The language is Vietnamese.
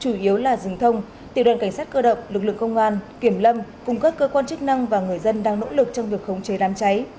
chủ yếu là rừng thông tiểu đoàn cảnh sát cơ động lực lượng công an kiểm lâm cùng các cơ quan chức năng và người dân đang nỗ lực trong việc khống chế đám cháy